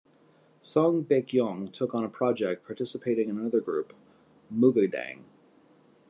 Song Baekkyoung took on a project participating in another group, MoogaDang.